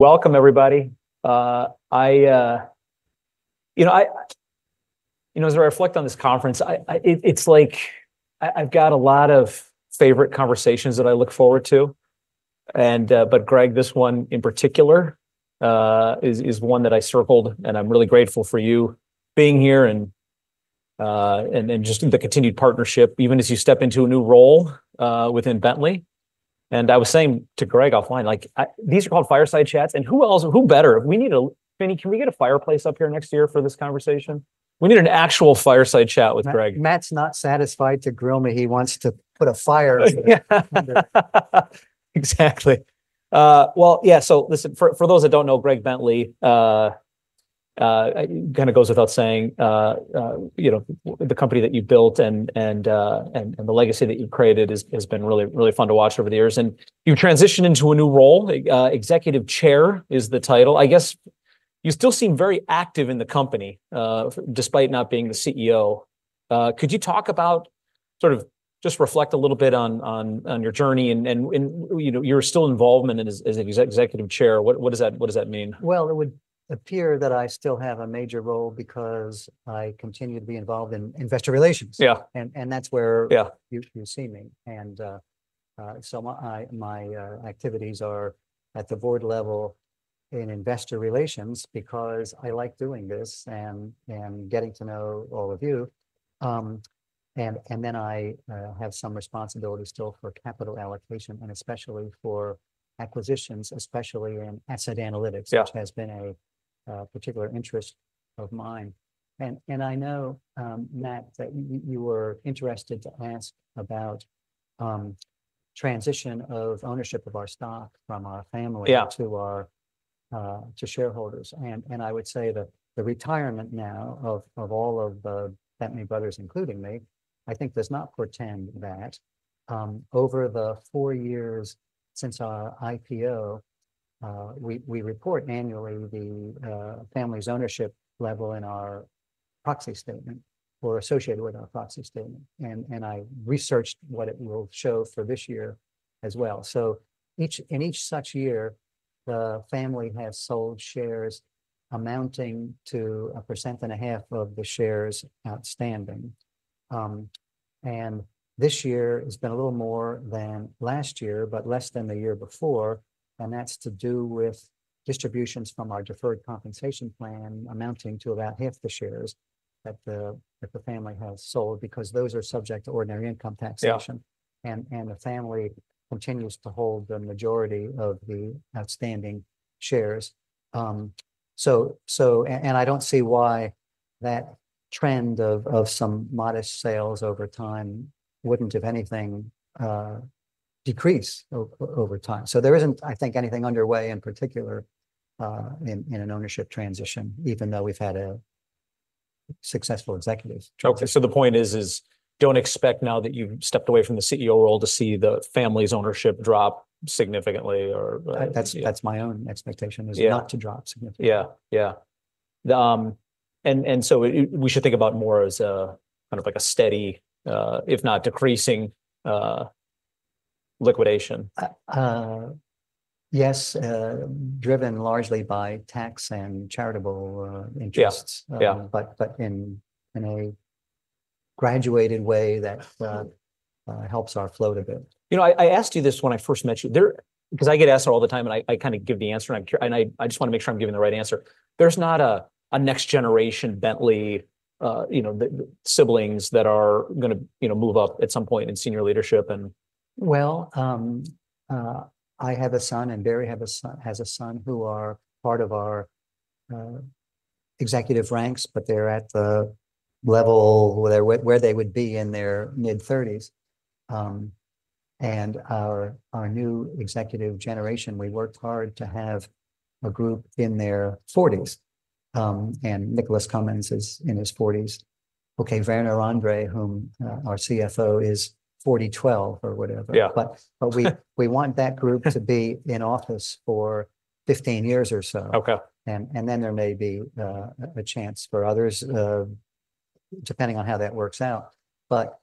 Welcome, everybody. You know, as I reflect on this conference, it's like I've got a lot of favorite conversations that I look forward to. But Greg, this one in particular is one that I circled, and I'm really grateful for you being here and just the continued partnership, even as you step into a new role within Bentley. I was saying to Greg offline, like, these are called fireside chats. Who else, who better? Can we get a fireplace up here next year for this conversation? We need an actual fireside chat with Greg. Matt's not satisfied to grill me. He wants to put a fire. Exactly. Well, yeah. So listen, for those that don't know, Greg Bentley, it kind of goes without saying, you know, the company that you've built and the legacy that you've created has been really, really fun to watch over the years. You've transitioned into a new role. Executive Chair is the title. I guess you still seem very active in the company, despite not being the CEO. Could you talk about sort of just reflect a little bit on your journey and, you know, your still involvement as Executive Chair? What does that mean? It would appear that I still have a major role because I continue to be involved in investor relations. Yeah. And that's where. Yeah. You see me. So my activities are at the board level in investor relations because I like doing this and getting to know all of you. Then I have some responsibility still for capital allocation and especially for acquisitions, especially in asset analytics, which has been a particular interest of mine. And I know, Matt, that you were interested to ask about transition of ownership of our stock from our family. Yeah. To our shareholders. And I would say that the retirement now of all of the Bentley brothers, including me, I think does not portend that over the four years since our IPO, we report annually the family's ownership level in our proxy statement or associated with our proxy statement. And I researched what it will show for this year as well. So in each such year, the family has sold shares amounting to 1.5% of the shares outstanding. This year has been a little more than last year, but less than the year before. And that's to do with distributions from our deferred compensation plan amounting to about half the shares that the family has sold because those are subject to ordinary income taxation. Yeah. The family continues to hold the majority of the outstanding shares. I don't see why that trend of some modest sales over time wouldn't, if anything, decrease over time. There isn't, I think, anything underway in particular, in an ownership transition, even though we've had a successful executive. Okay. So the point is, don't expect now that you've stepped away from the CEO role to see the family's ownership drop significantly or. That's my own expectation is not to drop significantly. Yeah. Yeah, and so we should think about more as a kind of like a steady, if not decreasing, liquidation. Yes. Driven largely by tax and charitable interests. Yeah. but in a graduated way that helps our float a bit. You know, I asked you this when I first met you there, 'cause I get asked all the time and I kind of give the answer and I'm curious, and I just wanna make sure I'm giving the right answer. There's not a next generation Bentley, you know, the siblings that are gonna, you know, move up at some point in senior leadership and. I have a son and Barry has a son who are part of our executive ranks, but they're at the level where they would be in their mid-thirties. Our new executive generation, we worked hard to have a group in their forties. Nicholas Cumins is in his forties. Okay. Werner Andre, our CFO, is 41 or whatever. Yeah. But we want that group to be in office for 15 years or so. Okay. And then there may be a chance for others, depending on how that works out. But,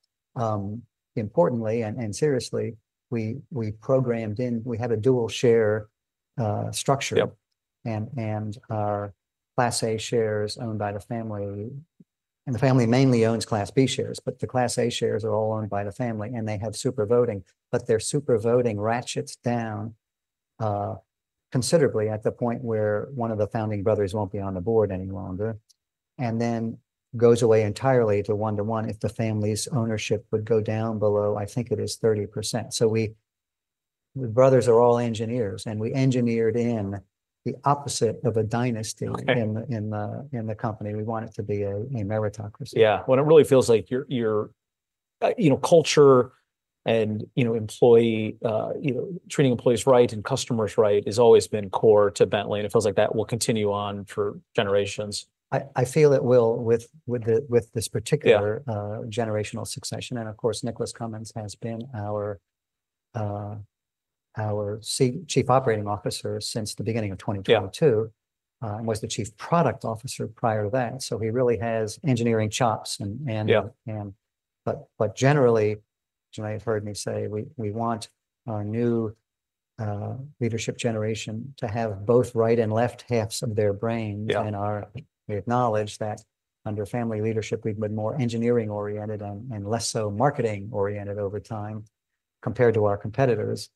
importantly and seriously, we programmed in. We have a dual share structure. Yep. Our Class A shares owned by the family, and the family mainly owns Class B shares, but the Class A shares are all owned by the family and they have super voting, but their super voting ratchets down considerably at the point where one of the founding brothers won't be on the board any longer and then goes away entirely to one-to-one if the family's ownership would go down below, I think it is 30%. The brothers are all engineers and we engineered the opposite of a dynasty in the company. We want it to be a meritocracy. Yeah. When it really feels like your, you know, culture and, you know, employee, you know, treating employees right and customers right has always been core to Bentley, and it feels like that will continue on for generations. I feel it will with this particular generational succession, and of course, Nicholas Cumins has been our Chief Operating Officer since the beginning of 2022. Yeah. and was the Chief Product Officer prior to that. So he really has engineering chops and, and. Yeah. Generally, I've heard me say we want our new leadership generation to have both right and left halves of their brains. Yeah. We acknowledge that under family leadership, we've been more engineering oriented and less so marketing oriented over time compared to our competitors.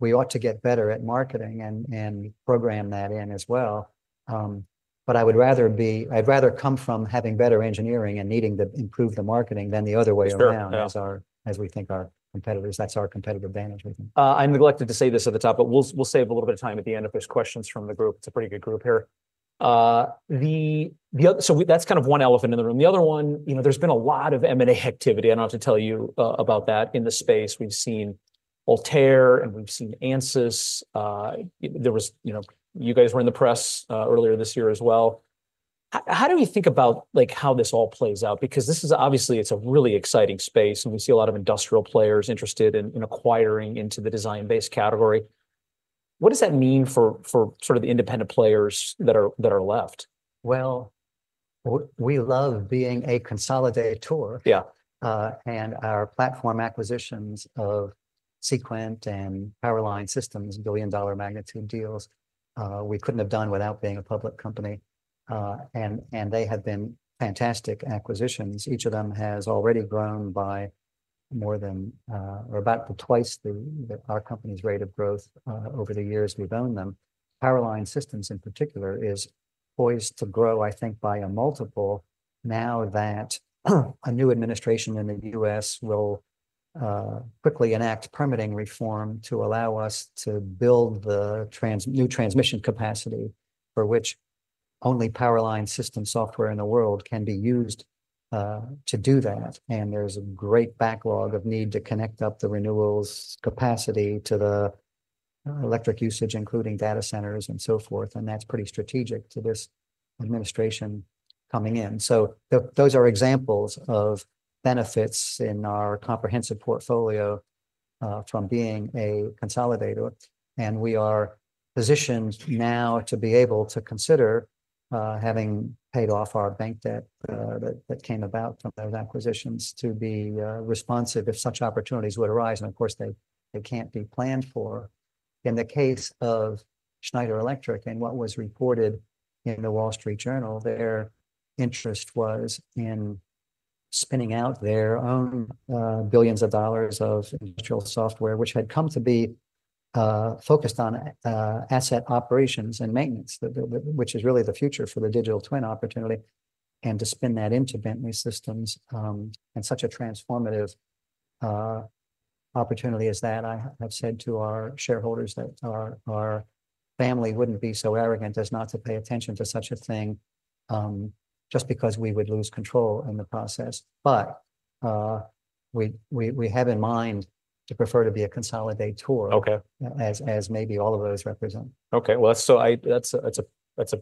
We ought to get better at marketing and program that in as well. But I would rather come from having better engineering and needing to improve the marketing than the other way around as we think our competitors. That's our competitive advantage. I neglected to say this at the top, but we'll save a little bit of time at the end if there's questions from the group. It's a pretty good group here. The other one, you know, there's been a lot of M&A activity. I don't have to tell you about that in the space. We've seen Altair and we've seen Ansys. You know, you guys were in the press earlier this year as well. How do we think about like how this all plays out? Because this is obviously a really exciting space and we see a lot of industrial players interested in acquiring into the design-based category. What does that mean for sort of the independent players that are left? We love being a consolidator. Yeah. And our platform acquisitions of Seequent and Power Line Systems, billion-dollar magnitude deals, we couldn't have done without being a public company. And they have been fantastic acquisitions. Each of them has already grown by more than or about twice the our company's rate of growth, over the years we've owned them. Power Line Systems in particular is poised to grow, I think, by a multiple now that a new administration in the U.S. will quickly enact permitting reform to allow us to build the transmission new transmission capacity for which only Power Line Systems software in the world can be used, to do that. And there's a great backlog of need to connect up the renewables capacity to the electric usage, including data centers and so forth. And that's pretty strategic to this administration coming in. So those are examples of benefits in our comprehensive portfolio from being a consolidator, and we are positioned now to be able to consider having paid off our bank debt that came about from those acquisitions to be responsive if such opportunities would arise, and of course they can't be planned for. In the case of Schneider Electric and what was reported in the Wall Street Journal, their interest was in spinning out their own billions of dollars of industrial software which had come to be focused on asset operations and maintenance, which is really the future for the digital twin opportunity and to spin that into Bentley Systems, and such a transformative opportunity is that I have said to our shareholders that our family wouldn't be so arrogant as not to pay attention to such a thing just because we would lose control in the process. But we have in mind to prefer to be a consolidator. Okay. As maybe all of those represent. Okay. Well, that's a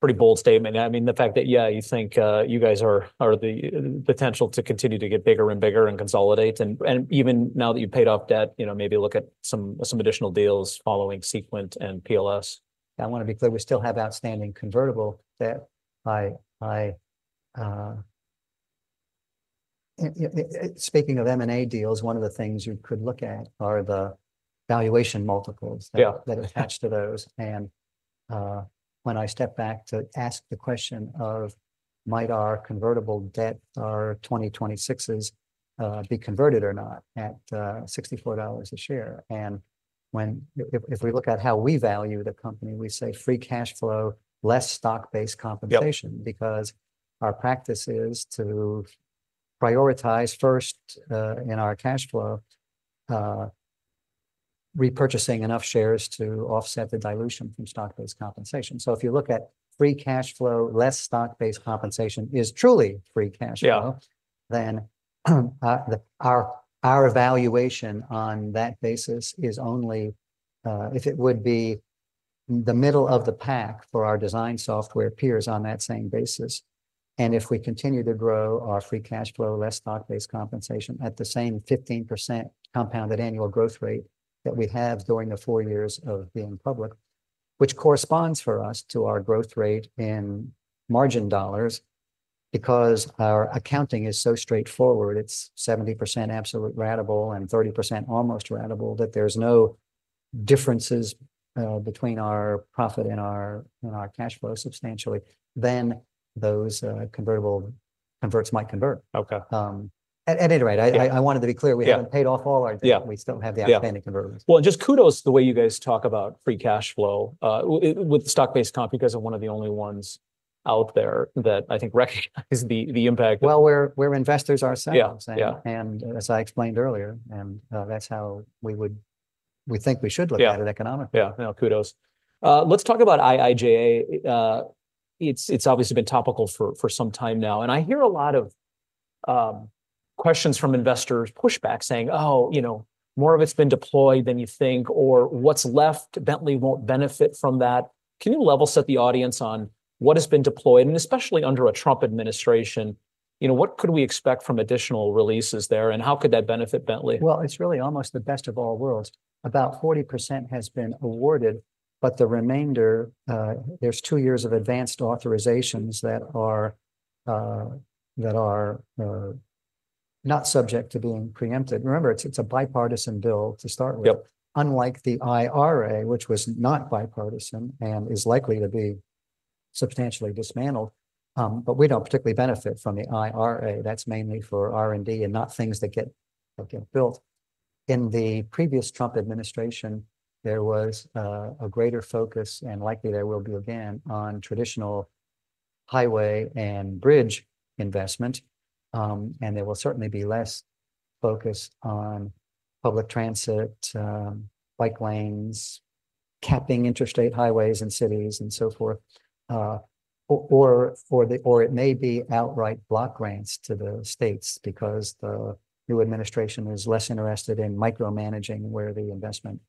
pretty bold statement. I mean, the fact that, yeah, you think you guys are the potential to continue to get bigger and bigger and consolidate. And even now that you've paid off debt, you know, maybe look at some additional deals following Seequent and PLS. I wanna be clear, we still have outstanding convertible debt, speaking of M&A deals, one of the things you could look at are the valuation multiples that attach to those. Yeah. When I step back to ask the question of, might our convertible debt, our 2026s, be converted or not at $64 a share? When, if we look at how we value the company, we say free cash flow, less stock-based compensation. Yeah. Because our practice is to prioritize first, in our cash flow, repurchasing enough shares to offset the dilution from stock-based compensation. So if you look at free cash flow, less stock-based compensation is truly free cash flow. Yeah. Our valuation on that basis is only if it would be the middle of the pack for our design software peers on that same basis. If we continue to grow our free cash flow, less stock-based compensation at the same 15% compounded annual growth rate that we have during the four years of being public, which corresponds for us to our growth rate in margin dollars because our accounting is so straightforward, it's 70% absolute ratable and 30% almost ratable that there's no differences between our profit and our cash flow substantially than those convertible converts might convert. Okay. At any rate, I wanted to be clear. Yeah. We haven't paid off all our debt. Yeah. We still have the outstanding convertibles. Well, and just kudos the way you guys talk about free cash flow, with the stock-based comp because one of the only ones out there that I think recognize the impact. We're investors ourselves. Yeah. As I explained earlier, that's how we think we should look at it economically. Yeah. Yeah. No, kudos. Let's talk about IIJA. It's obviously been topical for some time now. And I hear a lot of questions from investors, pushback saying, oh, you know, more of it's been deployed than you think, or what's left? Bentley won't benefit from that. Can you level set the audience on what has been deployed? And especially under a Trump administration, you know, what could we expect from additional releases there? And how could that benefit Bentley? It's really almost the best of all worlds. About 40% has been awarded, but the remainder, there's two years of advanced authorizations that are not subject to being preempted. Remember, it's a bipartisan bill to start with. Yep. Unlike the IRA, which was not bipartisan and is likely to be substantially dismantled, but we don't particularly benefit from the IRA. That's mainly for R&D and not things that get built. In the previous Trump administration, there was a greater focus and likely there will be again on traditional highway and bridge investment, and there will certainly be less focus on public transit, bike lanes, capping interstate highways and cities and so forth, or it may be outright block grants to the states because the new administration is less interested in micromanaging where the investment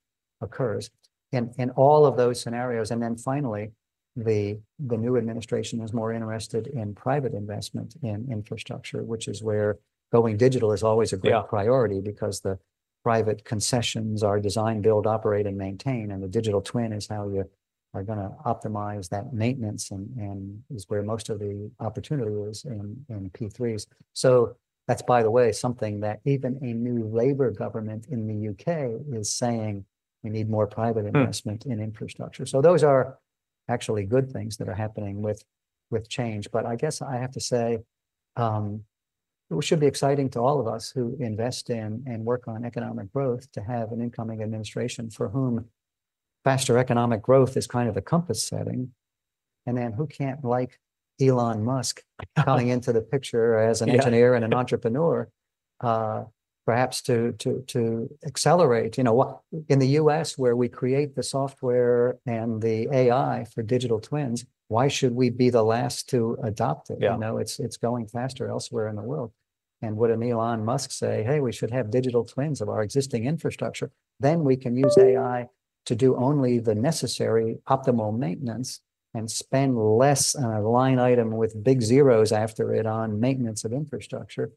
occurs, and all of those scenarios, and then finally, the new administration is more interested in private investment in infrastructure, which is where going digital is always a great priority because the private concessions are design, build, operate, and maintain. The digital twin is how you are gonna optimize that maintenance and is where most of the opportunity is in P3s. That's, by the way, something that even a new Labour government in the U.K. is saying we need more private investment in infrastructure. Those are actually good things that are happening with change. I guess I have to say, it should be exciting to all of us who invest in and work on economic growth to have an incoming administration for whom faster economic growth is kind of the compass setting. Then who can't like Elon Musk coming into the picture as an engineer and an entrepreneur, perhaps to accelerate, you know, what in the U.S. where we create the software and the AI for digital twins? Why should we be the last to adopt it? Yeah. You know, it's going faster elsewhere in the world, and would an Elon Musk say, hey, we should have digital twins of our existing infrastructure, then we can use AI to do only the necessary optimal maintenance and spend less on a line item with big zeros after it on maintenance of infrastructure,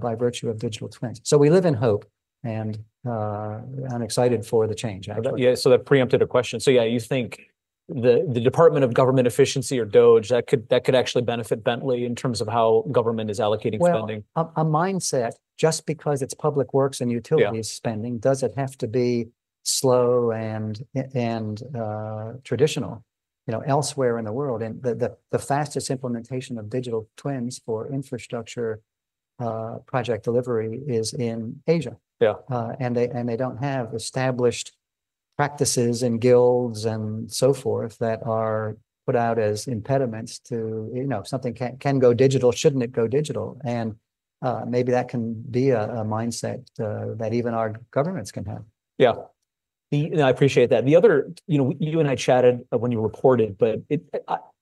by virtue of digital twins. So we live in hope, and I'm excited for the change. Yeah. So that preempted a question. So yeah, you think the Department of Government Efficiency or DOGE, that could actually benefit Bentley in terms of how government is allocating spending. A mindset just because it's public works and utilities spending, does it have to be slow and traditional, you know, elsewhere in the world? The fastest implementation of digital twins for infrastructure project delivery is in Asia. Yeah. They don't have established practices and guilds and so forth that are put out as impediments to, you know, something can go digital. Shouldn't it go digital? Maybe that can be a mindset that even our governments can have. Yeah. I appreciate that. The other, you know, you and I chatted when you recorded, but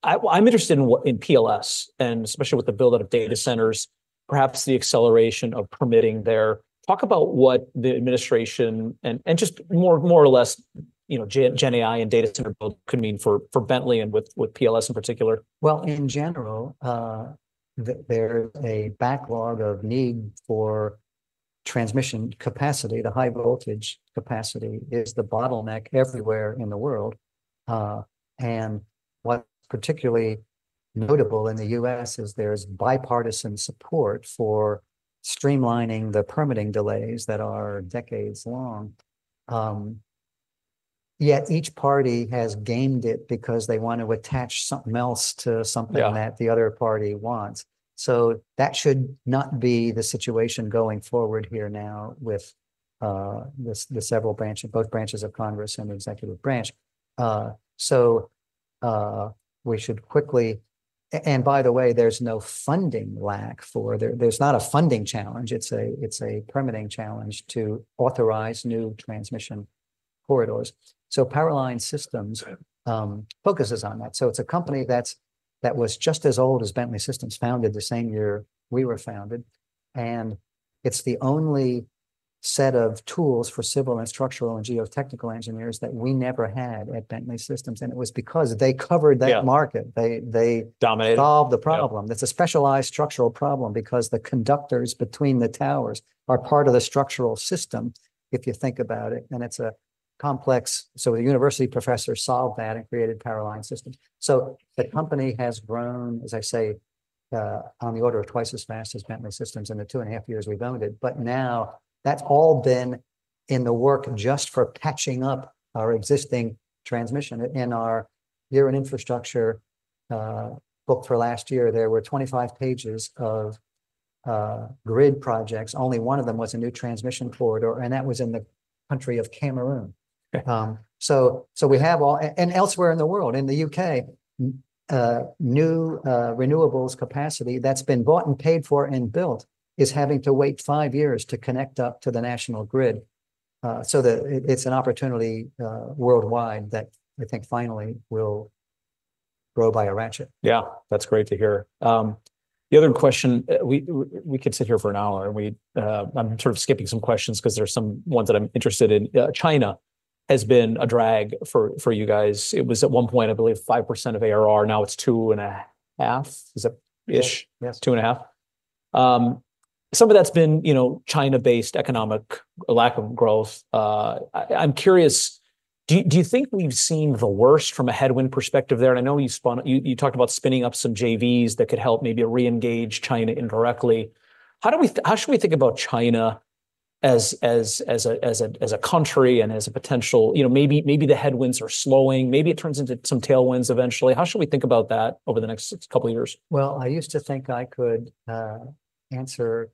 I'm interested in what in PLS and especially with the buildup of data centers, perhaps the acceleration of permitting there. Talk about what the administration and just more or less, you know, Gen AI and data center build could mean for Bentley and with PLS in particular. In general, there's a backlog of need for transmission capacity. The high voltage capacity is the bottleneck everywhere in the world. And what's particularly notable in the U.S. is there's bipartisan support for streamlining the permitting delays that are decades long. Yet each party has gamed it because they wanna attach something else to something that the other party wants. So that should not be the situation going forward here now with the several branches, both branches of Congress and the executive branch. So we should quickly, and by the way, there's no funding lack for there, there's not a funding challenge. It's a permitting challenge to authorize new transmission corridors. So Power Line Systems focuses on that. So it's a company that was just as old as Bentley Systems founded the same year we were founded. It's the only set of tools for civil and structural and geotechnical engineers that we never had at Bentley Systems. It was because they covered that market. They. Dominated. Solved the problem. That's a specialized structural problem because the conductors between the towers are part of the structural system if you think about it. And it's a complex. So the university professor solved that and created Power Line Systems. So the company has grown, as I say, on the order of twice as fast as Bentley Systems in the two and a half years we've owned it. But now that's all been in the work just for patching up our existing transmission. In our Year in Infrastructure book for last year, there were 25 pages of grid projects. Only one of them was a new transmission corridor, and that was in the country of Cameroon. Okay. So we have all, and elsewhere in the world, in the U.K., new renewables capacity that's been bought and paid for and built is having to wait five years to connect up to the national grid. So that it's an opportunity worldwide that I think finally will grow by a ratchet. Yeah. That's great to hear. The other question, we could sit here for an hour and I'm sort of skipping some questions 'cause there's some ones that I'm interested in. China has been a drag for you guys. It was at one point, I believe, 5% of ARR. Now it's 2.5%. Is that ish? Yes. Two and a half. Some of that's been, you know, China-based economic lack of growth. I'm curious, do you think we've seen the worst from a headwind perspective there? And I know you talked about spinning up some JVs that could help maybe re-engage China indirectly. How should we think about China as a country and as a potential, you know, maybe the headwinds are slowing, maybe it turns into some tailwinds eventually. How should we think about that over the next couple of years? I used to think I could answer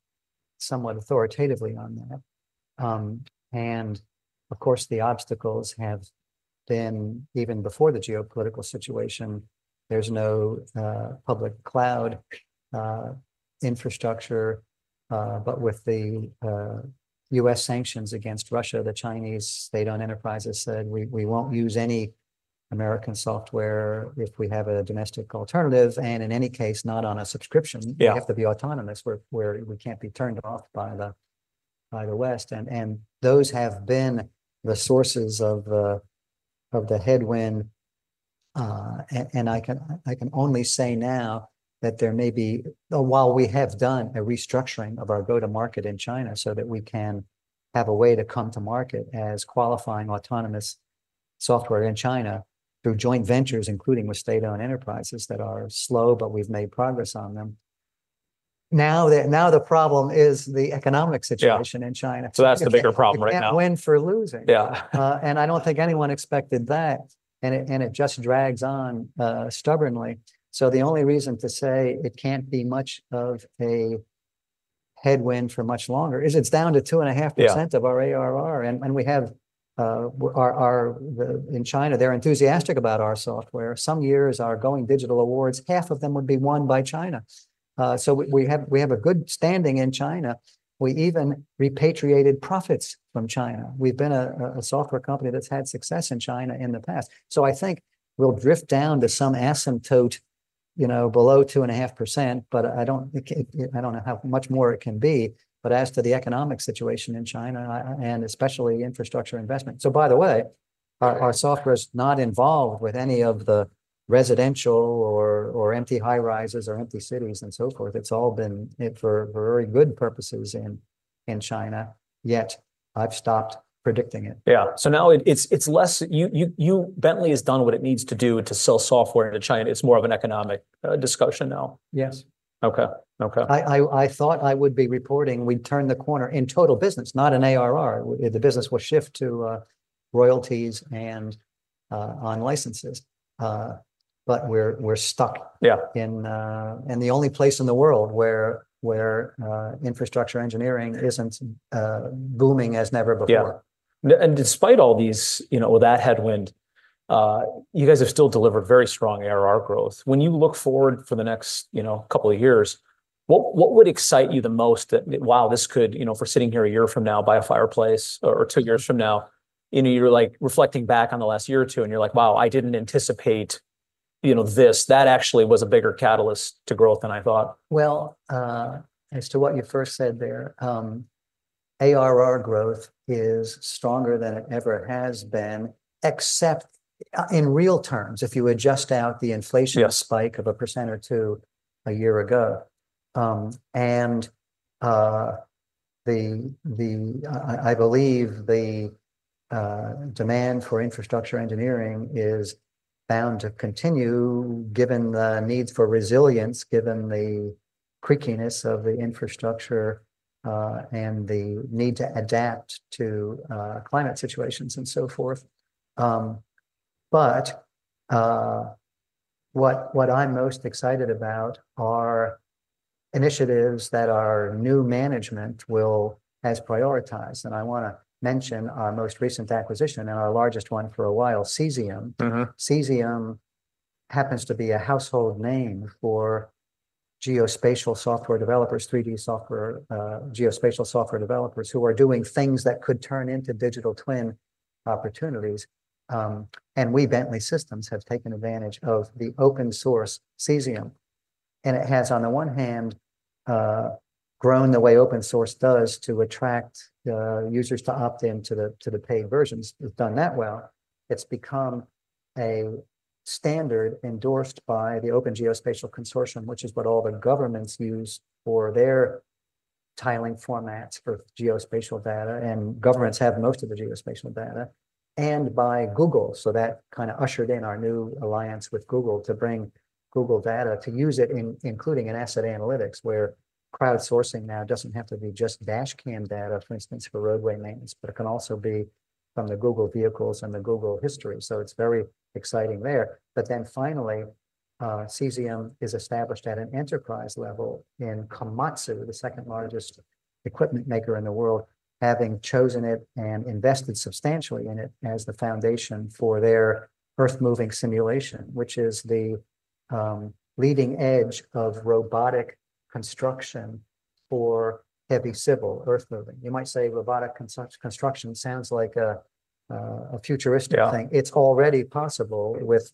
somewhat authoritatively on that. Of course the obstacles have been even before the geopolitical situation. There's no public cloud infrastructure, but with the U.S. sanctions against Russia, the Chinese state-owned enterprises said we won't use any American software if we have a domestic alternative. And in any case, not on a subscription. Yeah. We have to be autonomous where we can't be turned off by the West, and those have been the sources of the headwind. I can only say now that there may be, while we have done a restructuring of our go-to-market in China so that we can have a way to come to market as qualifying autonomous software in China through joint ventures, including with state-owned enterprises that are slow, but we've made progress on them. Now the problem is the economic situation in China. Yeah. So that's the bigger problem right now. It's a win for losing. Yeah. And I don't think anyone expected that. And it just drags on, stubbornly. So the only reason to say it can't be much of a headwind for much longer is it's down to 2.5% of our ARR. And we have our the in China, they're enthusiastic about our software. Some years our Going Digital Awards, half of them would be won by China. So we have a good standing in China. We even repatriated profits from China. We've been a software company that's had success in China in the past. So I think we'll drift down to some asymptote, you know, below 2.5%, but I don't know how much more it can be. But as to the economic situation in China, and especially infrastructure investment. So by the way, our software's not involved with any of the residential or empty high rises or empty cities and so forth. It's all been for very good purposes in China. Yet I've stopped predicting it. Yeah. So now it's less, Bentley has done what it needs to do to sell software to China. It's more of an economic discussion now. Yes. Okay. Okay. I thought I would be reporting we'd turn the corner in total business, not in ARR. The business will shift to royalties and on licenses, but we're stuck. Yeah. In the only place in the world where infrastructure engineering isn't booming as never before. Yeah. And despite all these, you know, that headwind, you guys have still delivered very strong ARR growth. When you look forward for the next, you know, couple of years, what, what would excite you the most that, wow, this could, you know, for sitting here a year from now by a fireplace or, or two years from now, you know, you're like reflecting back on the last year or two and you're like, wow, I didn't anticipate, you know, this, that actually was a bigger catalyst to growth than I thought. As to what you first said there, ARR growth is stronger than it ever has been, except in real terms, if you adjust out the inflation spike of 1% or 2% a year ago. The demand for infrastructure engineering is bound to continue given the needs for resilience, given the creakiness of the infrastructure, and the need to adapt to climate situations and so forth. What I'm most excited about are initiatives that our new management has prioritized. I wanna mention our most recent acquisition and our largest one for a while, Cesium. Mm-hmm. Cesium happens to be a household name for geospatial software developers, 3D software, geospatial software developers who are doing things that could turn into digital twin opportunities. And we, Bentley Systems, have taken advantage of the open source Cesium. And it has, on the one hand, grown the way open source does to attract users to opt into the paid versions. It's done that well. It's become a standard endorsed by the Open Geospatial Consortium, which is what all the governments use for their tiling formats for geospatial data. And governments have most of the geospatial data and by Google. So that kind of ushered in our new alliance with Google to bring Google data to use it in, including in asset analytics where crowdsourcing now doesn't have to be just dashcam data, for instance, for roadway maintenance, but it can also be from the Google vehicles and the Google history. So it's very exciting there. But then finally, Cesium is established at an enterprise level in Komatsu, the second largest equipment maker in the world, having chosen it and invested substantially in it as the foundation for their earth-moving simulation, which is the leading edge of robotic construction for heavy civil earth moving. You might say robotic construction sounds like a futuristic thing. Yeah. It's already possible with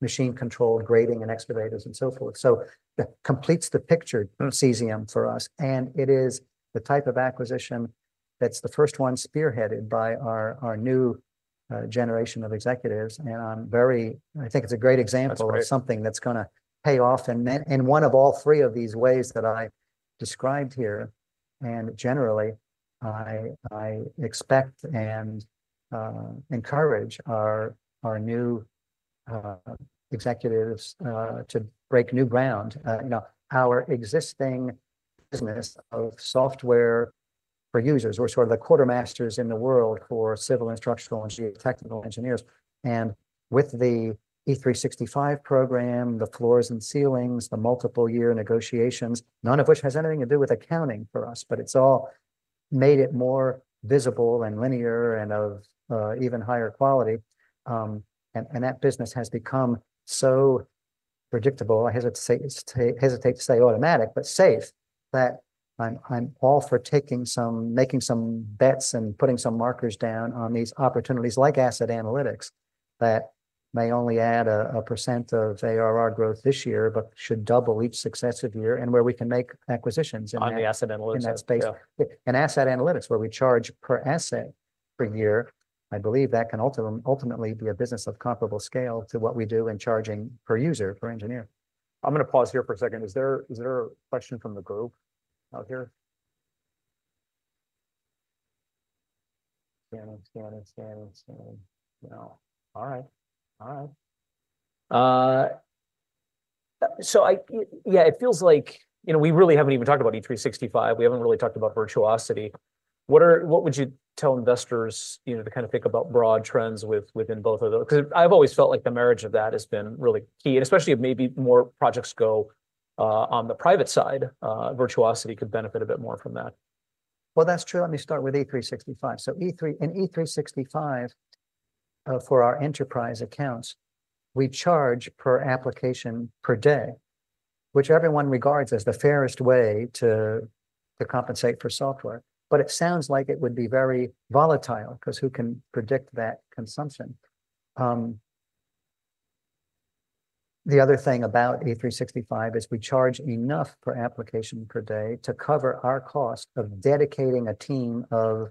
machine-controlled grading and excavators and so forth, so that completes the picture, Cesium, for us, and it is the type of acquisition that's the first one spearheaded by our new generation of executives, and I'm very, I think it's a great example of something that's gonna pay off in one of all three of these ways that I described here, and generally I expect and encourage our new executives to break new ground, you know. Our existing business of software for users, we're sort of the quartermasters in the world for civil and structural and geotechnical engineers, and with the E365 program, the floors and ceilings, the multiple year negotiations, none of which has anything to do with accounting for us, but it's all made it more visible and linear and of even higher quality. And that business has become so predictable, I hesitate to say automatic, but safe, that I'm all for making some bets and putting some markers down on these opportunities like asset analytics that may only add 1% of ARR growth this year, but should double each successive year and where we can make acquisitions in that. On the asset analytics space. In that space. In asset analytics, where we charge per asset per year, I believe that can ultimately, ultimately be a business of comparable scale to what we do in charging per user, per engineer. I'm gonna pause here for a second. Is there, is there a question from the group out here? No. All right. All right. It feels like, you know, we really haven't even talked about E365. We haven't really talked about Virtuosity. What would you tell investors, you know, to kind of think about broad trends within both of those? 'Cause I've always felt like the marriage of that has been really key, and especially if maybe more projects go on the private side, Virtuosity could benefit a bit more from that. Well, that's true. Let me start with E365. So E3 and E365, for our enterprise accounts, we charge per application per day, which everyone regards as the fairest way to, to compensate for software. But it sounds like it would be very volatile 'cause who can predict that consumption? The other thing about E365 is we charge enough per application per day to cover our cost of dedicating a team of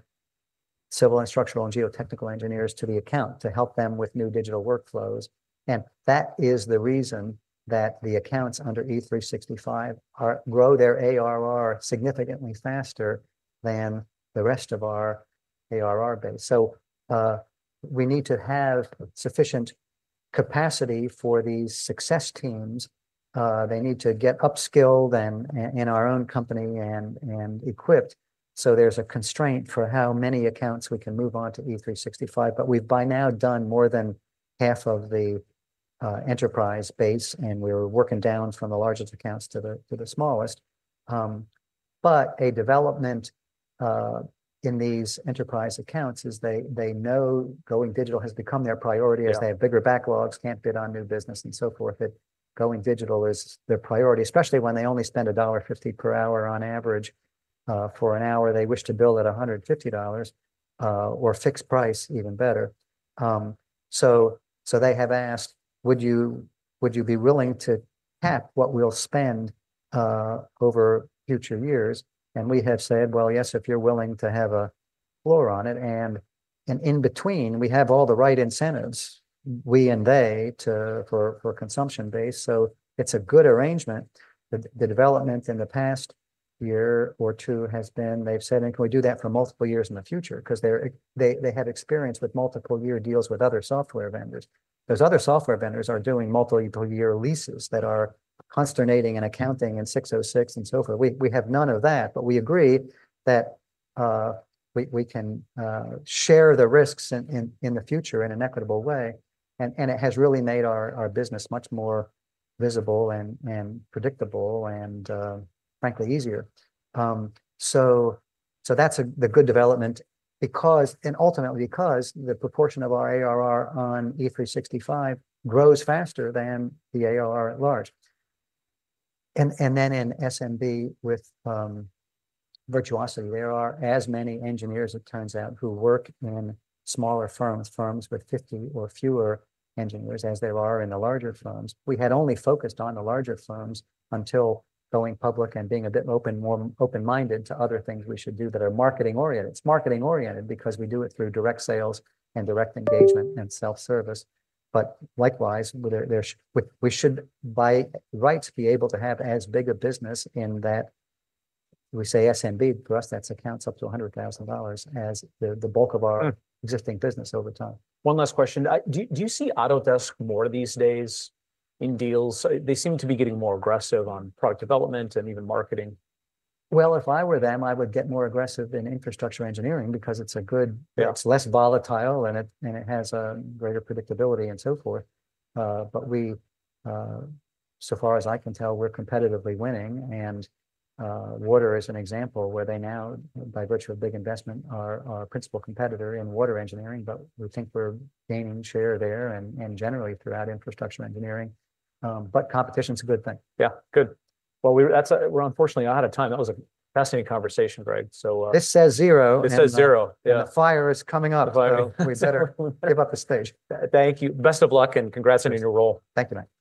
civil and structural and geotechnical engineers to the account to help them with new digital workflows. And that is the reason that the accounts under E365 are grow their ARR significantly faster than the rest of our ARR base. So, we need to have sufficient capacity for these success teams. They need to get upskilled and, and in our own company and, and equipped. So there's a constraint for how many accounts we can move on to E365, but we've by now done more than half of the enterprise base, and we're working down from the largest accounts to the smallest. A development in these enterprise accounts is they know going digital has become their priority as they have bigger backlogs, can't bid on new business, and so forth. That going digital is their priority, especially when they only spend $50 per hour on average for an hour. They wish to bill at $150, or fixed price, even better. So they have asked, would you be willing to cap what we'll spend over future years? And we have said, well, yes, if you're willing to have a floor on it. In between, we have all the right incentives, we and they to, for consumption base. So it's a good arrangement. The development in the past year or two has been, they've said, and can we do that for multiple years in the future? 'Cause they have experience with multiple year deals with other software vendors. Those other software vendors are doing multiple year leases that are constraining and accounting and 606 and so forth. We have none of that, but we agree that we can share the risks in the future in an equitable way. And it has really made our business much more visible and predictable and, frankly, easier. So that's the good development because, and ultimately because the proportion of our ARR on E365 grows faster than the ARR at large. Then in SMB with Virtuosity, there are as many engineers, it turns out, who work in smaller firms, firms with 50 or fewer engineers as there are in the larger firms. We had only focused on the larger firms until going public and being a bit open, more open-minded to other things we should do that are marketing oriented. It's marketing oriented because we do it through direct sales and direct engagement and self-service. But likewise, there's we should by rights be able to have as big a business in that we say SMB, for us, that's accounts up to $100,000 as the bulk of our existing business over time. One last question. Do you, do you see Autodesk more these days in deals? They seem to be getting more aggressive on product development and even marketing. If I were them, I would get more aggressive in infrastructure engineering because it's a good, it's less volatile and it, and it has a greater predictability and so forth. But we, so far as I can tell, we're competitively winning. And water is an example where they now, by virtue of big investment, are our principal competitor in water engineering, but we think we're gaining share there and, and generally throughout infrastructure engineering. But competition's a good thing. Yeah. Good. Well, we're unfortunately out of time. That was a fascinating conversation, Greg. So. This says zero. This says zero. Yeah. And the fire is coming up. So we better give up the stage. Thank you. Best of luck and congrats on your role. Thank you.